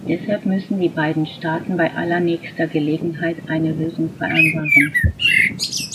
Deshalb müssen die beiden Staaten bei allernächster Gelegenheit eine Lösung vereinbaren.